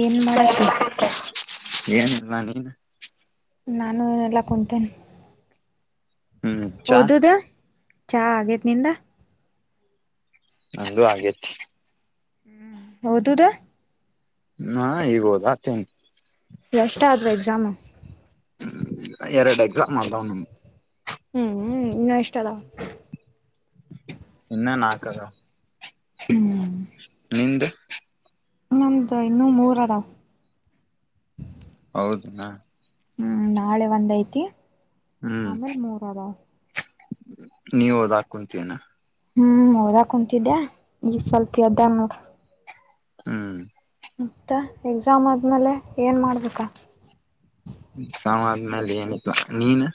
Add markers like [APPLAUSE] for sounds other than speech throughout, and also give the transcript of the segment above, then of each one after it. ಏನ್ ಮಾಡತಿ ಏನಲ್ವಾ ನೀನ್ ನಾನು ನೆಲ್ಲ ಕುಂತೇನೆ ಹ್ಮ್ ಚಾ ಓದುದ ಚಾ ಆಗೇತ್ ನಿಂದ ಅದುೂ ಆೇತಿ ಹ್ಮ ಹೌದುದ ಹಾ ಈಗ್ ಹೋದ ಆತೇನೆ ಎಷ್ಟ ಆದ್ರೆ ಎಕ್ಸಾಮು ್ಮ ಎರಡು ಎಕ್ಸಾಮ್ ಮಾಡತಾವಮ ಹ್ಮ್ ಹ್ಮ್ ಇನ್ನೂ ಎಷ್ಟ ಅದ ಇನ್ನೆ ನಾಲ್ಕರ ಹ್ಮ್ ನಿಂದ ಇನ್ನಮ್ದ ಇನ್ನುೂ ಮೂರ ಅದಾವ ಹೌದುನಾ ಹ್ಮ್ ನಾಳೆ ಒಂದ್ ಐತಿ ಆಮೇಲ್ ಮೂರಾರ ನೀವ ಅದ ಹಾಕಂತೀನಾ ಹ್ಮ್ ಓದಾ ಕುಂತಿದ್ದೆ ಈ ಸ್ವಲ್ಪ ಯ್ದನ್ ಹ್ಮ್ ಮತ್ತ ಎಕ್ಸಾಮ ಆದ್ಮೇಲೆ ಏನ್ ಮಾಡ್ಬೇಕ ಸಾಮ ಆದ್ಮೇಲೆ ಏನ ನೀನು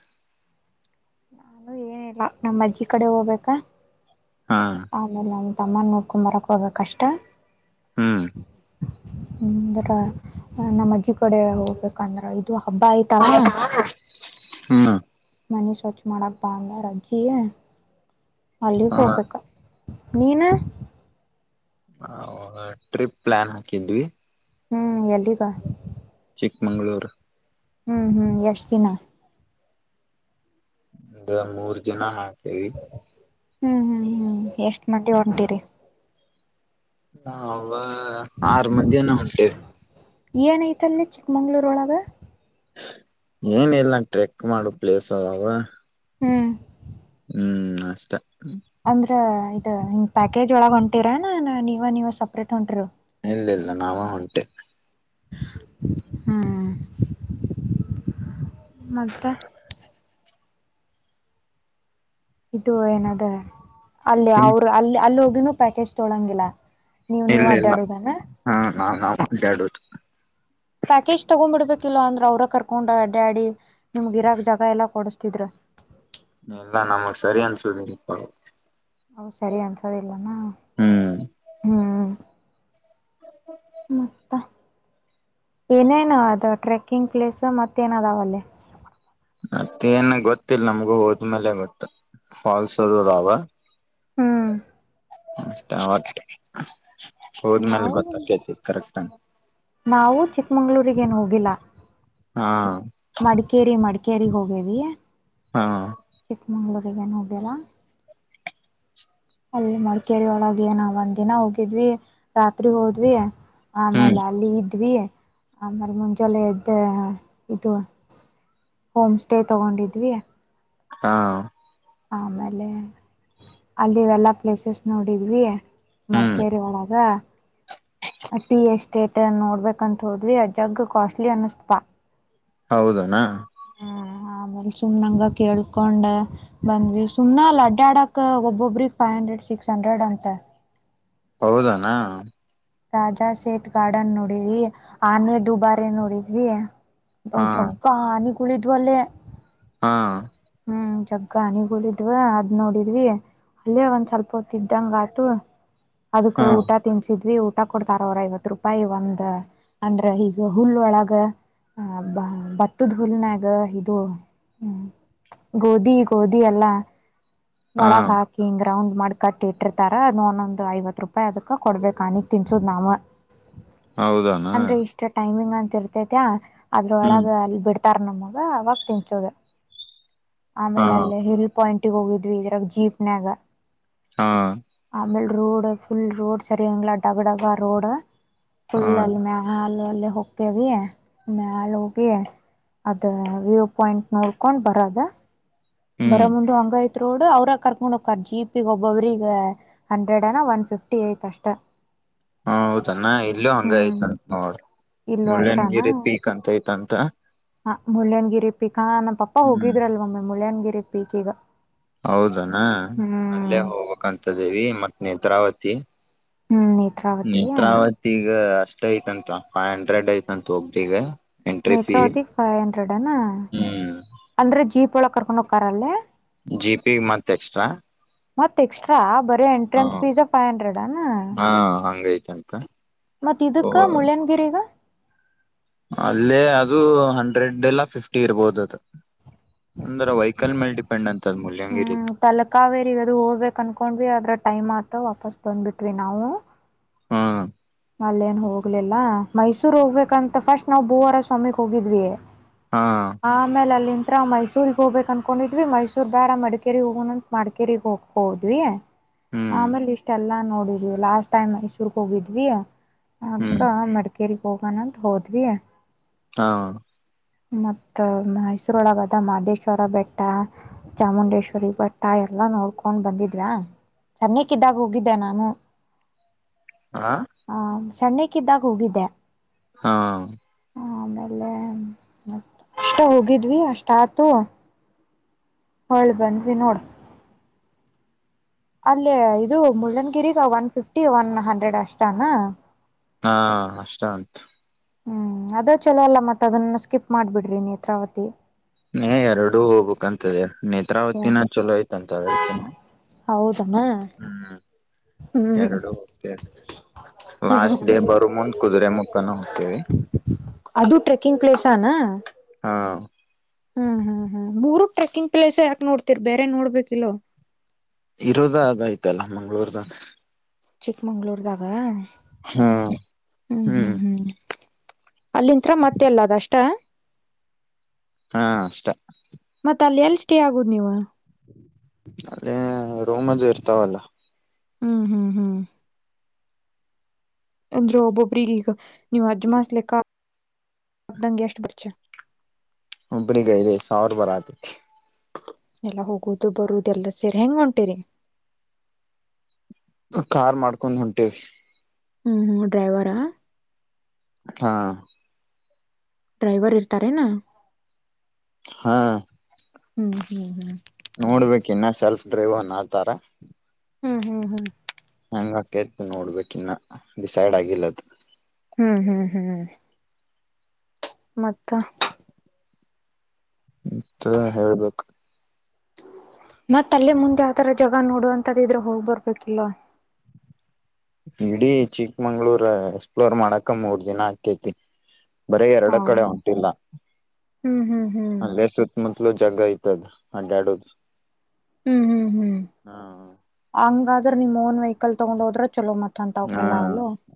ನಾನು ಏನಿಲ್ಲ ನಮ್ಮ್ ಅಜ್ಜಿ ಕಡೆ ಹೋಗ್ಬೇಕಾ ಹಾ ಆಮೇಲೆ ಅವಟಮ್ಮನ್ ನೋಡ್ಕೊಂಬರಕ್ ಹೋಗಬೇಕ ಅಷ್ಟ ಹ್ಮ್ ಹರ ನಮ್ಮಜ್ಜಿ ಕಡೆ ಹೋಗ್ಬೇಕ ಇದು ಹಬ್ಬ ಆಯ್ತಲ್ಲ ಹ್ಮ್ ಮನೆಿ ಸ್ವಚ್ ಮಾಡಕ್ ಬ ಅಲ್ಲ ರಜ್ಜಿಯ ಅಲ್ಲಿಗೆ ಹೋಗ್ಬೇಕ ನೀನು ಹ ಟ್ರಿಪ್ ಪ್ಲಾನ್ ಹಾಕಿದ್ವಿ ಹ್ಮ್ ಎಲ್ಲಿಗ ಚಿಕ್ಮಂಗಳೂರು ಹ್ಮ್ ಹ್ಮ್ ಎಷ್ಟ್ ದಿನ ಮೂರ್ ಜನ ಹಾತೇವಿ ಹ್ಮ್ ಹ್ಮ್ ಹ್ಮ್ ಎಷ್ಟ್ ಮಂದಿ ಹೊಂಟಿರಿ ನ ಆರು ಮಧಹನ ಹೊಂಟೇವೆ ಏನೈಐತಲ್ಲಿ ಚಿಕ್ಕಮಂಗ್ಳೂರೊಳಗೆ ಏನ ಇಲ್ಲ ನ ಟ್ರೆಕ್ ಮಾಡೋ ಪ್ಲೇಸ್ ಅದಾವ ಹ್ಮ್ ಹ್ಮ್ ಅಷ್ಟ ಅಂದ್ರ ಇ ಪ್ಯಾಕೇಜ್ ಒಳಗ ಹೊಂಟಿರ ನ ನೀವ ನೀವ ಸಪ್ರೇಟ್ ಹೊಂಟಿರ ಇಲ್ಲ ಇಲ್ಲ ನಾವ ಹೊಂಟೆ ಹ್ಮ್ ಮತ್ತೆ ಇದು ಏನದ ಅಲ್ಲಿ ಅವರು ಅಲ್ಲಿ ಅಲ್ಲಿ ಹೋಗನೂ ಪ್ಯಾಕೇಜ್ ತೊಳಂಗಿಲ್ಲ ನೀವು ನೀವು ಇಲ್ಲ ಇಲ್ಲ ಅಡ್ಡಾಡುದನಾ ಹಾ ನಾ ನಾ ಅಡ್ಯಾಡದು ಪ್ಯಾಕೇಜ್ ತಗೊಂಡ್ಬಿಡ್ಬೇಕ ಇಲ್ ಅಂದ್ರೆ ಅವ್ರ ಕರ್ಕೊಂಡ ಡ್ಯಾಡಿ ನಿಮಗ ಇರಾಕ್ ಜಾಗ ಎಲ್ಲಾ ಕೊಡುಸ್ತಿದ್ರು ಇಲ್ಲಾ ನಮಗೆ ಸರಿನ ಸುದಪ್ಪ ಹೌ ಸರಿ ಅನ್ಸೋದಿಲ್ಲ ಹ್ಮ್ ಮತ್ತೆ ಏನೇನ ಅದು ಟ್ರೆಕ್ಕಿಂಗ್ ಪ್ಲೇಸ್ ಮತ್ತೇನದಾವಲ್ಲೇ ಮತ್ತೇಏನ್ ಗೊತ್ತಿಲ್ಲ ನಮ್ಗು ಹೋದ್ಮೇಲೆ ಗೊತ್ತ ಫಾಲ್ಸ್ ಅದಾವ ಹ್ಮ್ ಅಷ್ಟೆ ಹೋದ್ಮೇಲೆ ನಾವು ಗೊತ್ತಾತಿ ಕರೆಕ್ಟ್ಟ ನಾವು ಚಿಕ್ಮಂಗ್ಳೂಗೇನು ಹೋಗಿಲ್ಲ ಹಾ ಮಡಿಕೇರಿ ಮಿಕ ಕೇರಿಗೆ ಹೋಗೇವಿ ಹಾ ಚಿಕ್ಕಮಂಗ್ಳೂರಿಗೆೇನು ಹೋಗ್ಯರ ಅಲ್ಲಿ ಮಡಿಕೇರಿ ಒಳಗೆ ಏ ನ ಒಂದಿನ ಹೋಗಿದ್ವಿ ರಾತ್ರಿ ಹೋದ್ವಿ ಹ್ಮ್ ಆಮೇಲೆ ಅಲ್ಲಿ ಇದ್ವಿ ಆಮೇಲೆ ಮುಂಜಳೆ ಇದ್ದ ಇದು ಹೋಮ್ ಸ್ಟೇ ತಗೊಂಡಿದ್ವಿ ಹಾ ಆಮೇಲೆ ಅಲ್ಲಿವೆಲ್ಲಾ ಪ್ಲೇಸಸ್ ನೋಡಿದ್ವಿ ಹ್ಮ್ ಮಡಿಕೇರಿ ಒಳಗ ಅಟಿ ಎಸ್ಟೇಟ್ ನೋಡ್ಬೇಕಂತ ಹೋದ್ರಿ ಅಜಗ್ ಕಾಸ್ಟ್ಲಿ ಅನಸ್ಪಾ ಹೌದನಾ ಆಮೇಲೆ ಸುಮ್ನಂಗ ಕೇಳ್ಕೊಂಡ್ ಬಂದ್ವಿ ಸುಮ್ ಲಡ್ಡಾ ಆಡಕ್ ಒಬ್ಬೊಬ್ರಿಗೆ ಪೈನ್ ಹಂಡ್ರೆಡ್ ಸಿಕ್ಸ್ ಹಂಡ್ರೆಡ್ ಅಂತ ಹೌದನಾ ರಾಜಾ ಸೇಟ್ ಗಾರ್ಡನ್ ನೋಡಿದ್ವಿ ಆನೆ ದುಬಾರಿ ನೋಡಿದ್ವಿ ಹಾ ಜೊಕ್ಕ ಹನಿಗಳಿದ್ವಲ್ಲೇ ಹಾ ಹ್ಮ್ ಜಗ್ಗ ಹನಿಗಳಿದ್ವ ಅದ್ ನೋಡಿದ್ವಿ ಅಲ್ಲೇ ಒಂದ್ ಸ್ವಲ್ಪ ಹೊತಿದ್ದಂಗ ಆಟು ಅದಕ್ ಹಾ ಊಟ ತಿನ್ಸಿದ್ರಿ ಊಟ ಕೊಡ್ತಾರ ಅವರ ಐವ ರೂಪಾಯಿ ಒಂದ ಅಂದ್ರೆ ಈಗ ಹುಲ್ ಒಳಗ ಆ ಬ ಬತ್ತದ ಹೂಲ್ನಾಗ ಇದು ಹ್ಮ್ ಗೋಧಿ ಗೋಧಿ ಎಲ್ಲಾ ಹಾ ಒಳಕ್ ಹಾಕಿಂಗ ರೌಂಡ್ ಮಾಡಿ ಕಟ್ಟಿ ಇಟ್ಟಿರ್ತಾರ ಅದು ಒಂದೊಂದ್ ಐವತ್ ರೂಪಾಯಿ ಅದಕ್ಕ ಕೊಡ್ಬೇಕ ಅನಿಕ್ ತಿನ್ಸುದ್ ನಾವು ಹೌದನಾ ಅಂದ್ರೆ ಇಷ್ಟ ಟೈಮಿಂಗ್ ಅಂತ ಇರ್ತೇತ ಹ್ಮ್ ಅದ್ರೊಳಗ ಅಲ್ಲಿ ಬಿಡ್ತ ಟರ್ ನಮ್ಮಾಗ ಅವವಾಗ ತಿನ್ಚೋಗೆ ಹಾ ಆಮೇಲೆ ಅಲ್ಲೇ ಹಿಲ್ ಪಾಯಿಂಟ್ಗ್ ಹೋಗಿದ್ವಿ ಇದ್ರಾಗ ಜೀಪ್ನ್ಯಾಗ ಹಾ ನ ರೋಡು ಫುಲ್ ರೋಡ್ ಸರಿ ಡಬ ಡಬ ರೋಡು ಹಾ ಫುಲ್ ಎಲ್ಲಿ ಹಾಲ್ ಪೆ ಹೋಗಕ ಭ ಮೆಾಲ ಹೋಗ ಅದ ವ್ಯೂ ಪಾಯಿಂಟ್ ನೋಡ್ಕೊಂಡ್ ಬರದ ಬರ ಹ್ಮ್ ಮುಂದ ಹಂಗ ಆಯ್ತ ರೋಡ್ ಅವ್ರಾಗ ಕರ್ಕೊಂಡ್ ಹಕರ್ ಜಿ ಪಿ ಒಬ್ಬೊಬ್ರಗ ಹಂಡ್ರೆಡ್ ಅನ ಒನ್ ಫಿಫ್ಟಿ ಐತ್ ಅಷ್ಟ ಹ ಹೌದಣ ಇಲ್ಲೂ ಹಂಗ ಹ್ಮ್ ಆಯ್ತಂತ ನೋಡ್ರಿ ಇಲ್ಲೂ ಮುಳ್ಳ್ಯನಗಿರಿ ಪೀಕ್ ಅಂತತ್ ಅಂತ ಹಾ ಮುಳ್ಳಯನಗಿರಿ ಪೀಕ್ ನಮ್ಮ ಪಪ್ಪ ಹ್ಮ್ ಹೋಗಿದ್ರಲ್ವಮ್ಮೆ ಮುಳ್ಳಯನಗಿರಿ ಪೀಕ್ ಈಗ ಹೌದಣ ಅಲ್ಲೇ ಹ್ಮ್ ಹೋಗ್ಬೇಕಂತದೇವಿ ಮತ್ ನೇತ್ರಾವತಿ ಹ್ಮ್ ನೇತ್ರಾವತಿಯ ನೇತ್ರಾವತಿಗ ಅಷ್ಟ ಐತಂತ ಫೈವ್ ಹಂಡ್ರೆಡ್ ಐತಂತತ್ ಒಬ್ರಿಗೆ entry fee Netravati five hundred ಅನಾ ಹ್ಮ್ ಅಂದ್ರೆ ಜೀಪ್ ಒಳ ಕರ್ಕೊಂಡ ಹೋಗ ಕಾರ್ ಅಲ್ಲಿ ಜಿ ಪಿ ಮತ್ತೆ ಎಕ್ಸ್ಟ್ರಾ ಮತ್ತತ್ ಎಕ್ಸ್ಟ್ರಾ ಬರೀ ಎಂಟ್ರೆನ್ಸ್ ಫೀಸ್ ಫೈವ್ ಹಂಡ್ರೆಡ್ನಾ ತ ಮತ್ತತ್ ಇದಕ್ಕ ಮುಳ್ಳ್ಯನಗಿರಿಗ ಅಲ್ಲೇ ಅದು ಹಂಡ್ರೆಡ್ ಎಲ್ಲ ಫಿಫ್ಟಿ ಇರ್ಬೋದ ಅದು ಒಂದ್ರ ವೈಹಿಕಲ್ ಮೇಲೆ ಡಿಪೆಂಡ್ ಅಂತ ಅದ್ ಮುಲ್ಯಂಗಿರಿ ಹ್ಮ್ ತಲಕಾವೇರಿ ಅದು ಹೋಗ್ಬೇಕಕ್ ಅನ್ಕೊಂಡ್ ಅದ್ರ ಟೈಮ್ ಆತ ವಾಪಸ್ ಬಂದುಬಿಟ್ವಿ ನಾವು ಹ್ಮ ಅಲ್ಲೇನ್ ಹೋಗ್ಲಿಲ್ಲ ಮೈಸೂರ್ ಹೋಗ್ಬೇಕಂತ ಫಸ್ಟ್ ನಾವು ಭೂವಾರ ಸ್ವಾಮಿಗ್ ಹೋಗಿದ್ವಿ ಹಾ ಆ ಆಮೇಲೆ ಅಲ್ಲಿಂದ ಹತ್ರ ಮೈಸೂರ್ಗ್ ಹೋಗ್ಬೇಕ ಅನ್ಕೊಂಡಿದ್ವಿ ಮೈಸೂರ್ ಬೇಡ ಮಡಿಕೇರಿಗೆ ಹೋಗೋಣಂತ ಮಡಿಕೇರಿಗೆಗ್ ಹೋಗಿ ಹೋದ್ವಿ ಹ್ಮ್ ಆಮೇಲೆ ಇಷ್ಟೆಲ್ಲಾ ನೋಡಿದ್ವಿ ಲಾಸ್ಟ್ ಟೈಮ್ ಮೈಸೂರ್ ಹೋಗಿದ್ವಿ ಅದ್ಕ ಹ್ಮ್ ಮಡಿಕೇಗ್ ಹೋಗಣಂತ ಹೋದ್ವಿ ಹಾ ಮತ್ತ ಮೈಸೂರೊಳಗದ ಮಹದೇಶ್ವರ ಬೆಟ್ಟ ಚಾಮುಂಡೇಶ್ವರಿ ಬೆಟ್ಟ ಎಲ್ಲ ನೋಡ್ಕೊಂಡ್ ಬಂದಿದ್ವಾ ಚೆನ್ನಕ್ ಇದ್ದಾಗ ಹೋಗಿದ್ದೆ ನಾನು ಹಾ ಹಾ ಸಣ್ಣಕ್ಗ ಹೋಗಿದ್ದೆ ಹಾ ಆಮೇಲೆ ಮ ಅಷ್ಟ ಹೋಗಿದ್ವಿ ಅಷ್ಟ ಆತು ಹಳಿ ಬನ್ ನೋಡ ಅಲ್ಲೇ ಇದು ಮುಳ್ಳನ್ಗಿರಿಗ ಒನ್ ಫಿಫ್ಟಿ ಒನ್ ಹಂಡ್ರೆಡ್ ಅಷ್ಟನಾ ಹಾ ಅಷ್ಟ ಅಂತ ಹ್ಮ್ ಅದ ಚಲೋ ಅಲ್ಲ ಮತ್ತತ್ ಅದನ್ನ ಸ್ಕಿಪ್ ಮಾಡ್ಬಿಡ್ರಿ ನೇತ್ರಾವತಿ ಏ ಎರಡುೂ ಹೋಗ್ಬೇಕಕ್ಂತದೆ ನೇತ್ರಾವತಿನ ಚಲೋ ಆಯ್ತಂತ ಅದಕಿನ ಹೌದನಾ ಹ್ಮ್ ಹ್ಮ್ ಎರಡು ಓಕೆ ಲಾಸ್ಟ್ ಡೇ ಬರು ಮುಂದ್ ಕುದುರೆ ಮುಕ್ಕನ ಹೋಗತೇವಿ ಅದು ಟ್ರೆಕ್ಕಿಂಗ್ ಪ್ಲೇಸನಾ ಹಾ ಹ್ಮ್ ಹಾ ಹ್ಮ ಮೂರು ಟ್ರೆಕ್ಕಿಂಗ್ ಪ್ಲೇಸ್ ಯಾಕೆ ನೋಡ್ತರ್ ಬೇರೆ ನೋಡ್ಬೇಕ ಇಲ್ಲೋ ಇರೋದ ಅದಾಯ್ತಲ್ಲ ಮಂಗ್ಗಳೂರ್ದಾಗ ಚಿಕ್ಮಂಗ್ಗಳೂರುದಾಗ ಹ್ಮ್ ಹ್ಮ್ ಹ್ಮ್ ಹ್ಮ್ ಅಲ್ಲಿತ್ರತ್ರ ಮತ್ತೆ ಎಲ್ಲ ಅದ ಅಷ್ಟ ಹಾ ಅಷ್ಟ ಅಷ್ಟೇ ಆಗುದ ನೀವು ಅಲ್ಲಿ ರೋಮಜು ಇರ್ತಾವಲ್ಲ ಹ್ಮ್ ಹ್ಮ್ ಹ್ಮ್ ಅಂದ್ರೋಬಬ್ಬರಿಗಿಗ ನೀವು ಅಜ್ಜ ಮಾಸಲೆಕ್ಕಾ ಅದ್ದಂಗೆ ಎಷ್ಟು [UNINTELLIGIBLE] ಒಬ್ಬನಿಗೆ ಐದೈದ್ ಸಾವಿರ ಬರಾತ ಎಲ್ಲಾ ಹೋಗುದು ಬರುದು ಎಲ್ಲ ಸೇರಿ ಹೆಂಗ ಹೊಂಟಿರಿ ಕಾರ್ ಮಾಡ್ಕೊಂಡ್ ಹೊಂಟೇವಿ ಹ್ಮ್ ಹ್ಮ್ ಡ್ರೈವರಾ ಹಾ ಡ್ರೈವರ್ ಇರ್ತಾರೇನಾ ಹಾ ಹ್ಮ್ ಹ್ಮ್ ಹ್ಮ್ ನೋಡ್ಬೇಕ ಇನ್ನ ಸೆಲ್ಫ್ ಡ್ರೈವ್ನ ಆತಾರ ಹ್ಮ್ ಹ್ಮ್ ಹ್ಮ್ ಹಂಗ ಆಕತ್ತು ನೋಡ್ಬೇಕ ಇನ್ನ ಡಿಸೈಡ್ ಆಗಿಲ್ಲದು ಹ್ಮ್ ಹ್ಮ್ ಹ್ಮ್ ಮತ್ತ ಮತ್ತ ಹೇಳ್ಬೇಕು ಮತ್ತ ಅಲ್ಲೇ ಮುಂದೆ ಯಾವದರ ಜಾಗ ನೋಡುವಂತದ್ದ ಇದ್ರೆ ಹೋಗ್ ಬರ್ಬೇಕಿಲ್ವ ಇಡೀ ಚಿಕ್ಕಮಂಗ್ಳೂರ್ ಎಕ್ಸ್ಪ್ಲೋರ್ ಮಾಡಕ ಮೂರ್ ದಿನ ಆಗ್ತೈತಿ ಬರೀ ಎರಡ ಹೌ ಕಡೆ ಹೊಂಟಿಲ್ಲ ಹ್ಮ್ ಹ್ಮ್ ಹ್ಮ್ ಅಲ್ಲೇ ಸುತ್ತಮುತ್ತಲುೂ ಜಗ ಐ ಜಗ ಅಲ್ಲಾಡೋದು ಹ್ಮ್ ಹ್ಮ್ ಹ್ಮ್ ಹಂಗಾದ್ರೆ ನಿಮ್ ಓನ್ ವೆಹಿಕಲ್ ತಗೊಂಡ್ ಹೋದ್ರ ಚಲೋ ಮತ್ತ ಹಾ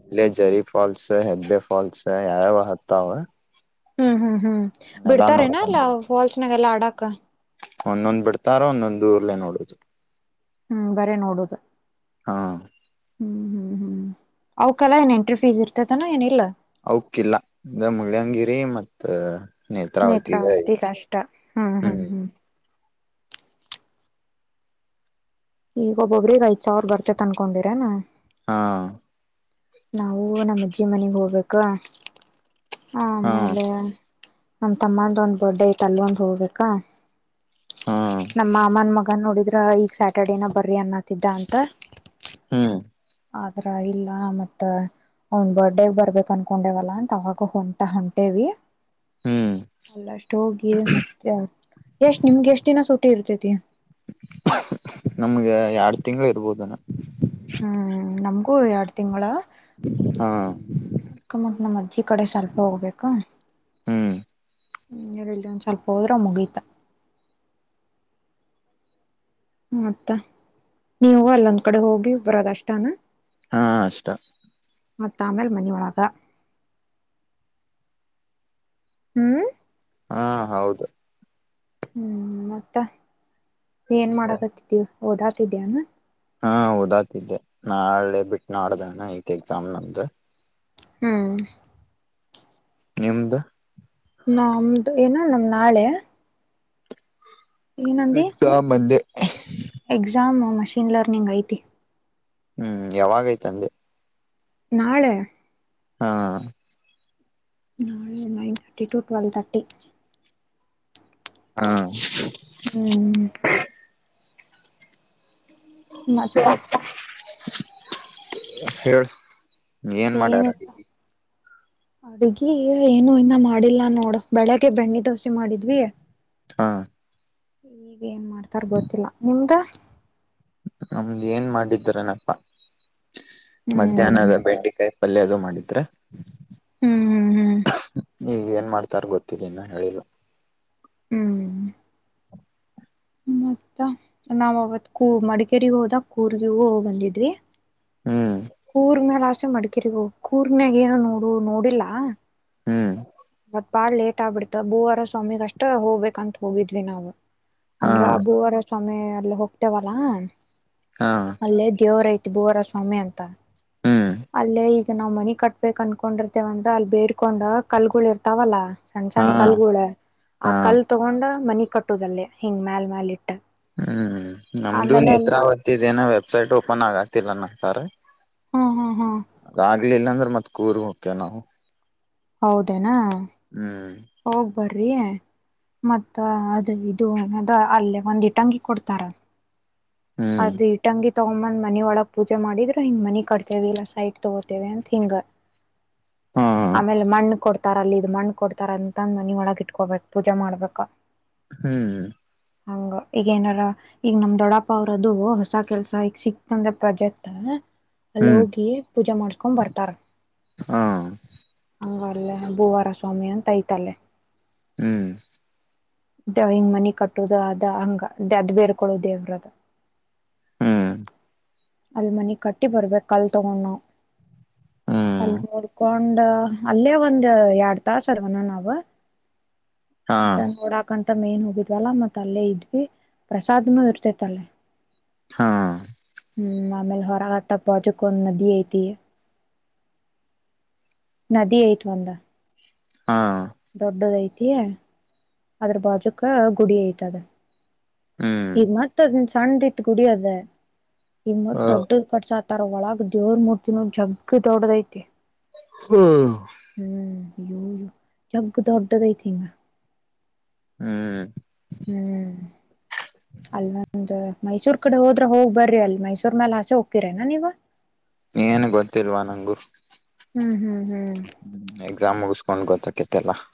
ಇಲ್ಲೆ ಜರಿ ಫಾಲ್ಸ್ ಹೆಬ್ಬೆಫಾಲ್ಸ್ ಯಾವಾವ ಹತ್ತು ಅವ ಹ್ಮ್ ಹ್ಮ್ ಹ್ಮ್ ಬಿಡ್ತಾರೇನಾ ಅಲ್ಲ ಬಿಡ ಫಾಲ್ಸ್ನಾಗೆಲ್ಲಾ ಆಡಾಕ ಒಂದೊಂದ್ ಬಿಡ್ತಾರ ಒಂದೊಂದ್ ಇಲ್ಲಾ ನೋಡೊದು ಹ್ಮ್ ಬರಿ ನೋಡೊದು ಹಾ ಹ್ಮ್ ಹ್ಮ್ ಅವ್ಕಲ್ಲಾ ಏನ್ ಎಂಟ್ರಿ ಫೀಸ್ ಇರ್ತಾತೇನು ಏನಿಲ್ಲಾ ಅವಕಿಲ್ಲ ಇಗ ಮುಳ್ಳಯಂಗಿರಿ ಮತ್ತ ನೇತ್ರಾವತಿಗೆ ಐತಿ ಹ್ಮ್ ಈಗ ಒಬ್ಬೊಬ್ರಿ ಗೆ ಐದ್ ಸಾವಿರ ಬರ್ತೆತ್ ಅನ್ಕೊಂಡಿರೆ ನಾ ಹಾ ನಾವು ನಮ್ಮಜ್ಜಿ ಮನೆಗ್ ಹೋಗ್ಬೇಕ ಹಾ ಆಮೇಲೆ ನಮ್ ತಮ್ಮಂದ ಒಂದ್ ಬರ್ಡೇ ಐತ್ ಅಲ್ಲೊಂದು ಹೋಗ್ಬೇಕಾ ಹಾ ನಮ್ಮ ಮಾಮನ್ ಮಗ ಹ ನೋಡಿದ್ರ ಈಗ ಸ್ಯಾಟರ್ಡೇನ ಬರ್ರಿ ಅನ್ನತಿದ್ದ ಅಂತ ಹ್ಮ್ ಆದ್ರ ಇಲ್ಲ ಮತ್ತೆ ಅವನ್ ಬರ್ಡೇಗ್ ಬರ್ಬೇಕ ಅನ್ಕೊಂಡೆವಲ್ಲ ಅಂತ ಅವಾಗ ಹೊಂಟ ಹೊಂಟೇವಿ ಹ್ಮ್ [UNINTELLIGIBLE] ಹೋಗಿ ಮತ್ತೆ ಎಷ್ಟ್ ನಿಮ್ಗೆ ಎಷ್ಟ್ ದಿನ ಸೂಟಿ ಇರ್ತೈತಿ ನಮ್ಗೆ ಎರಡ್ ತಿಂಗಳು ಇರ್ಬೋದೇನ ಹ್ಮ್ ನಮಗೂ ಎರಡ್ ತಿಂಗಳ ಹಾ ಅದಕಮತ್ ನಮ್ಮ್ ಅಜ್ಜಿ ಕಡೆ ಸ್ವಲ್ಪ ಹೋಗ್ಬೇಕು ಹ್ಮ್ ಹ್ಮ್ ಇಲ್ಲಿ ಒಂದ್ ಸ್ವಲ್ಪ ಹೋದ್ರೆ ಮುಗಿತ ಮತ್ತ ನೀವು ಅಲ್ಲೊಂದ್ ಕಡೆ ಹೋಗಿ ಬರದ ಅಷ್ಟೇನ ಹಾ ಅಷ್ಟ ತಾಮೇಲ್ ಮನೀಒಳಗ ಹ್ಮ್ ಹಾ ಹೌದು ಹ್ಮ್ ಮತ್ತ ಏನ್ ಮಾಡಾಕತ್ತಿದೀವಿ ಓದಾತಿದ್ಯಾನ ಹಾ ಹದತಿದ್ದೆ ನಾಳೆ ಬಿಟ್ಟು ನೋಡ್ದಾನ ಐತೆ ಎಕ್ಸಾಮ್ ನಂದು ಹ್ಮ್ ನಿಮ್ದ ನಮ್ದು ಏನ ನಮ್ ನಾಳೆ ಎಕ್ಸಾಮ್ ಅಲ್ಲಿ ಎಕ್ಸಾಮ ಮಷೀನ್ ಲೆರ್ನಿಂಗ್ ಐತಿ ಹ್ಮ್ ಯಾವಾಗೈ್ತ ಅಂದೆ ನಾಳೆ ಹಾ ನಾಳೆ nine thirty to twelve thirty ಹಾ ಹ್ಮ್ ಮತ್ತೆ ಹೇಳ ಏನ್ ಮಾಡ್ಯಾರ ಏನಿಲ್ಲ ಅಡ್ಗಿ ಏನು ಇನ್ನ ಮಾಡಿಲ್ಲ ನೋಡು ಬೆಳಿಗ್ಗೆ ಬೆಣ್ಣಿದ ಮಾಡಿದ್ವಿ ಹಾ ಈಗ ಏನ್ ಮಾಡ್ತಾರ ಗೊತ್ತಿಲ್ಲ ನಿಮ್ದ ನಮ್ದ್ ಏನ್ ಮಾಡಿದರನಪ್ಪಾ ಹ್ಮ್ ಮಧ್ಯಾಹ್ನದ ಬೇಡಿಕೆ ಪಲ್ಯ ಅದುೂ ಮಾಡಿದ್ರೆ ಹ್ಮ್ ಹ್ಮ್ ಹ್ಮ್ ಈಗ ಏನ್ ಮಾಡ್ತಾರ ಗೊತ್ತಿಲ್ಲ ಇನ್ನ ಹೇಳಿಲ್ಲ ಹ್ಮ್ ಮತ್ತ ನಾವ ಅವವತ್ ಕೂ ಮಡಿಕೇಗ ಹೋದಾಗ ಕೂರ್ಗಗೂ ಬಂದಿದ್ವಿ ಹ್ಮ್ ಕೂರ್ ಮ್ಯಾಲ ಅಷ್ಟೆ ಮಡ್ಕಿರಿೋಗ ಕೂರ್ ಮ್ಯಾಗ ಏನ ನೋಡು ನೋಡಿಲ್ಲ ಹ್ಮ್ ಮತ್ ಬಾಳ ಲೇಟ್ ಆಗ್ಬಿಡ್ತ ಭೂವಾರ ಸ್ವಾಮಿಗ್ ಅಷ್ಟ ಹೋಗ್ಬೇಕಂತ ಹೋಗಿದ್ವಿ ನಾವವು ಹಾ ಅಂದ್ರ ಅಬೂವರ ಸ್ವಾಮಿ ಅಲ್ಲಿ ಹೋಗ್ತೇವಲ್ಲ ಹಾ ಅಲ್ಲೇ ದೇವರೈತಿ ಭುವರ ಸ್ವಾಮಿ ಅಂತ ಹ್ಮ್ ಅಲ್ಲೇ ನಾವ್ ಮನಿ ಕಟ್ಬೇಕ ಅನ್ಕೊಂಡಿರ್ತೇವಂದ್ರೆ ಅಲ್ಲಿ ಬೇಡ್ಕೊಂಡ್ ಕಲ್ಗಳು ಇರ್ತಾವಲ್ಲಾ ಸಣ್ಣ ಹಾ ಸಣ್ಣ್ ಕಲ್ಗಳು ಆ ಹಾ ಕಲ್ ತಗೊಂಡ ಮನಿ ಕಟ್ಟುದಲ್ಲೇ ಹಿಂಗ್ ಮ್ಯಲ್ ಮ್ಯಾಲ ಇಟ್ಟು ಹ್ಮ್ ನಮ್ದು ನೇತ್ರಾವತಿ ಇದೇನ ವೆಬ್ಸೈಟ್ ಓಪನ್ ಆಗತಿಲ್ಲ ನ ಸರ್ ಹ್ಮ ಹ್ಮ್ ಹ್ಮ್ ಅದಗ್ಲಿಲ್ಲಾ ಅಂದ್ರೆ ಮತ್ ಕೂರ್ ಹೋಗಕೇ ನಾವು ಹೌದೇನಾ ಹ್ಮ್ ಹೋಗ್ ಬರ್ರಿ ಮತ್ತ ಅದ ಇದುದ ಅಲ್ಲೇ ಒಂದ ಇಟ್ಟಂಗಿ ಕೊಡ್ತಾರ ಹ್ಮ್ ಅದ ತಂಗಿ ತಗೊಂದ್ ಮನಿ ಒಳಗ್ ಪೂಜೆ ಮಾಡಿದ್ರ ಹಿಂಗ್ ಮನಿ ಕಟ್ತೇವಿ ಇಲ್ಲಾ ಸೈಟ್ ತಗೋತೇವಿ ಅಂತ ಹಿಂಗ ಹಾ ಆಮೇಲೆ ಮಣ್ಣು ಕೊಡ್ತ ಇತಾರ ಅಲ್ಲಿ ಇ್ ಮಣ್ಕ ಕೊಡ್ತಾರ ಅಂತಂದ ಮನಿ ಒಳಗ ಇಟ್ಕೋಬೇಕಕ್ ಪೂಜಾ ಮಾಡ್ಬೇಕಾ ಹ್ಮ್ ಹಂಗ ಈಗ ಏನಾರ ಈಗ ನಮ ದೊಡ ಪಪ್ಪ ಅವ್ರದು ಹೊಸ ಕೆಲ್ಸ ಈಕ್ ಸಿಕ್ತಂದ ಪ್ರಾಜೆಕ್ಟ್ ಅಲ್ಲಿ ಹ್ಮ್ ಹೋಗಿ ಪೂಜೆ ಮಾಡ್ಸ್ಕೊಂಡ್ ಬರ್ತಾರ ಹಾ ಹಂಗ ಭೂವಾರ ಸ್ವಾಮಿ ಅಂತ ಐತಲ್ಲೆ ಹ್ಮ್ ಹಿಂಗ್ ಮನಿ ಕಟ್ಟುದು ಅದ ಹಂಗ ಅದ್ ಬೇಡ್ಕೊಳ್ಳೋ ದೇವ್ರದ ಹ್ಮ್ ಅಲ್ ಮನಿ ಕಟ್ಟಿ ಬರ್ಬೇಕಕ್ ಅಲ್ ತಗೊಂಡ ನ ಹ್ಮ್ ಅಲ್ ನೋಡ್ಕೊಂಡ ಅಲ್ಲೇ, ಒಂದು, ಎರಡ್, ತಾಸು ಅದನ್ನಗ ಹಾ ಡಂಗೂರ ಹಾಕೊಂಡು, ಕಂಠನೆ? [INAUDIBLE] ಬಿಟವಾಳ, ಮತ್ತ್ ಅಲ್ಲೇ, ಇದ್ವಿ! ಪ್ರಸಾದ್ನು ಇರ್ತೇತ್ ಅಲ್ಲೇ? [INAUDIBLE] ಹಾ. [INAUDIBLE] ಕಾಲಾ, ತಪ್ಪಿಕೊಂಡು, ಮದುವೆ ಆಯಿತಿ? [UNINTELLIGIBLE] ಮದುವೆ ಇಟ್ಟುಕೊಂಡ? [INAUDIBLE] ಹಾ ದೊಡ್ಡದು, ಐತಿ, ಅದ್ರ, ಬಾಜುಕ, ಗುಡಿ ಐತದ? [INAUDIBLE] ಹ್ಮ್ ಈಗ, ಮತ್ತತ್, ಅದನ್ ಸಣ್ಣ ಇಟ್ ಗುಡಿಯಾಗ, ನಿನ್ನ, ದೊಡ್ಡ ಕಟ್ಟಿಸುಕಾ? [INAUDIBLE] ಹೊರಗಲಾ, ದೇವರ ಮೂರ್ತಿ ಜಗ್ಗ ದೊಡ್ಡದಾಯಿತಿ? [INAUDIBLE] ಹ್ಮ್. [UNINTELLIGIBLE] ಜಗ್ ದೊಡ್ಡದಾಯಿತಿ, ಇನ್ನ? [INAUDIBLE] ಹ್ಮ್. [INAUDIBLE] ಹ್ಮ್, ಅಲ್ವಂದ? [INAUDIBLE] ಮೈಸೂರ್, ಕಡೆ ಹೋದ್ರೆ! ಹೋಗ್ ಬರ್ರಿ ಅಲ್ ಮೈಸೂರ್, ಮೇಲೆ, ಹಸೆ, ಹೋಗಕ್ಕಿರನಾ ನೀವು? [INAUDIBLE] ಏನ್, ಗೊತ್ತಿಲ್ವಾ ನಂಗು? [INAUDIBLE] ಹ್ಮ್, ಹ್ಮ್, ಹ್ಮ್. [INAUDIBLE] ಹ್ಮ, ಎಕ್ಸಾಮ್ ಮುಗಸ್ಕೊಂಡ್ ಗೊತ್ತಕತ್ತಲ್ಲಾ? [INAUDIBLE]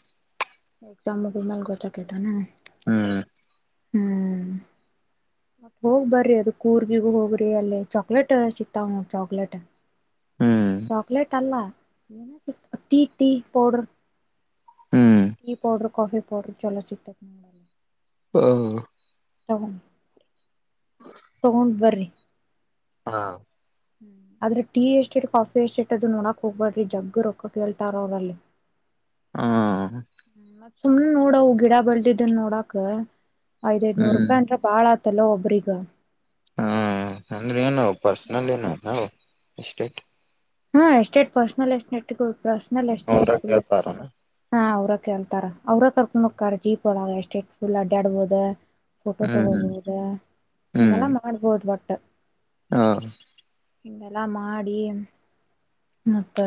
ಎಕ್ಸಾಮ್, ದೀನಾ? [INAUDIBLE] ಹ್ಮ್. [UNINTELLIGIBLE] ಹೋಗ್ ಬರ್ರಿ, ಅದ ಕೂರ್ಗಿಗ ಹೋಗ್ರಿ ಅಲ್ಲಿ ಚಾಕ್ಲೇಟ್, ಸಿಕ್ತಾವ ನೋಡು, ಚಾಕ್ಲೇಟ್? ಹ್ಮ್ [INAUDIBLE] ಚಾಕ್ಲೇಟ್, ಅಲ್ಲ, ಏನು, ಸಿ, ಟೀ, ಟೀ, ಪೌಡರ್? [INAUDIBLE] ಹ್ಮ್ ಟೀ, ಪೌಡರು, ಕಾಫಿ, ಪೌಡರ್, ಚಲೋ, ಚಿತ್ತತ್ ನೋಡಲ್ಲ? [INAUDIBLE] ಹ. [INAUDIBLE] ತಕೊಂಡು ತಕ್ಕೊಂಡು ಬರ್ರಿ? [INAUDIBLE] ಹಾ! [INAUDIBLE] ಹ್ಮ, ಆದ್ರೆ, ಟೀ, ಎಷ್ಟೇಟ್ ಕಾಫಿ, ಎಷ್ಟೆಟ್, ಅದನ್ನ ನೋಡಾಕ್ ಹೋಗ್ಬೇಡ್ರಿ! ಜಗ್ಗ, ರೊಕ್ಕ, ಕೇಳ್ತಾರ ಅವರಲ್ಲಿ? [INAUDIBLE] ಹ್ಮ. [INAUDIBLE] ಮತ್, ಸುಮ್ನೆ, ನೋಡವು! ಗಿಡ, ಬೆಳೆದಿದ್ದನ್ನು ನೋಡಕ್? [INAUDIBLE] ಐದು, ಐದುನೂರು, ಹ್ಮ್ ರೂಪಾಯಿ! ಅಂದ್ರೆ ಬಾಳ ಆಯ್ತಲ್ಲ ಒಬ್ಬರಿಗೆ? [INAUDIBLE] ಹ್ಮ, ಅಂದ್ರೆ, ಏನುವು, ಪರ್ಸನಲ್ ಏನು ನಾವು ಎಷ್ಟೇಟ್? [UNINTELLIGIBLE] ಹಾ, estate personal! Estate, personal, estate, ಅವರ ಇರ್ತ, ವ್ಯಾಪಾರನ ಹಾ, ಅವ್ರ? [INAUDIBLE] ಕೇಳ್ತಾರ, ಅವ್ರ ಕರ್ಕೊಂಡ, ಜೀಪ್ ಒಳಗ ಎಷ್ಟೇ ಫುಲ್, ಅಡ್ಡಾಡದು? [INAUDIBLE] ಫೋಟೋ, ಹ್ಮ್ ತಗೋಬಹುದಾ! ಹಿಗೆಲ್ಲ ಹ್ಮ್ ಮಾಡ್ಬೋದು ಬಟ್? ಹ್ಮ್ ಹ [INAUDIBLE] ಹಿಗೆಲ್ಲ, ಮಾಡಿ? [INAUDIBLE] ಮತ್ತ,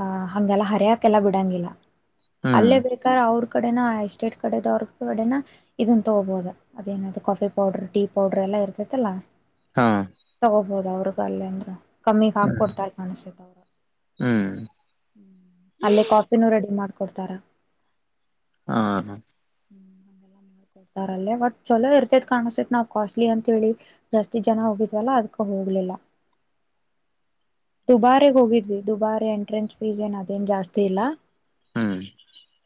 ಅ, ಹಗೆಲ್ಲ! ಹರೆಯಕೆಲ್ಲ, ಬಿಡಂಗಿಲ್ಲ? [INAUDIBLE] ಹ್ಮ್ ಅಲ್ಲೇ, ಬೇಕಾದರೆ ಅವರು? [INAUDIBLE] ಕಡೆೇನಾ, ಎಸ್ಟೇಟ್, ಕಡೆ, ಅವರು, ಕಾಡೆನಾ, ಇದನ್ ತಗೋಬಹುದು! ಅದೇನದು, ಕಾಫಿ, ಪೌಡರ್, ಟೀ, ಪೌಡರ್, ಎಲ್ಲ? [INAUDIBLE] ಅವ್ರ್ ಜೊತೆ ಲಾ? [INAUDIBLE] ಹಾ! [INAUDIBLE] ನೋಡು ಅವರಿಗೆ, ಅಲ್ಲಿ, ಅಂದ್ರೆ ಕಮ್ಮಿಯಾಗಿ ಹ್ಮ್ ಹಾಕಿಕೊಡೂತಲೆ? [INAUDIBLE] ನಾನುಸೆಟ್ಟ, ಅವರು, ಹ್ಮ್ ಅಲ್ಲೇ, ಕಾಫಿನೂ, ರೆಡಿ, ಮಾಡ್ಕ? [INAUDIBLE] ಕೊಡ್ತಾರ? [INAUDIBLE] ಹ, ಹಾ? [INAUDIBLE] ಕೊಡ್ತಾರಲ್ಲೇ, ಬಟ್ ಚಲೋ! ಇರ್ತೈತ್ ಕಾಣಿಸ್ತೈತ್, ನಾವ್, ಕಾಸ್ಟ್ಲಿ, ಅಂತ ಹೇಳಿ, ಜಾಸ್ತಿ ಜನ, ಹೋಗಿದ್ವಲ್ಲ! ಅದಕ ಹೋಗ? [INAUDIBLE] ಇಲ್ಲ, ಇಲ್ಲ? [INAUDIBLE] [INAUDIBLE] [UNINTELLIGIBLE] ದುಬಾರೆ, ಹೋಗಿದ್ವಿ! ದುಬಾರಿ ಎಂಟ್ರೆನ್ಸ್ ಫೀಸ್ ಏನು, ಅದೇನ್ ಜಾಸ್ತಿ ಇಲ್ಲ? [INAUDIBLE] ಹ್ಮ್. [INAUDIBLE]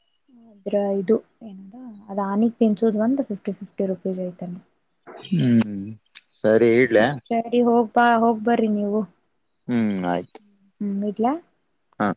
ಒಬ್ಬರು, ಇದು ಏನದು, ರಾಣಿ! ಇಂಟರ್ವ್ಯೂ ಬಂದು ಫಿಫ್ಟಿ, ಫಿಫ್ಟಿ, ಆಯ್ತು, ಏನೋ? [INAUDIBLE] ಹ್ಮ್, ಸರಿ, ಇಡ್ಲಾ? [INAUDIBLE] ಪ್ಪಾ, ಹೋಗ್ಬರ್ರಿ ನೀವು? [INAUDIBLE] ಹ್ಮ್ ಆಯ್ತು ಇ ಹಾ